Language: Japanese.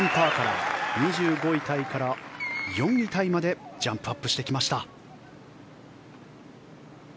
２５位タイから４位タイまでジャンプアップしてきました。